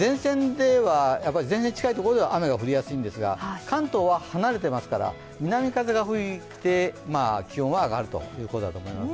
前線に近いところでは雨が降りやすいんですが、関東は離れていますから、南風が吹いて気温が上がるということだと思います。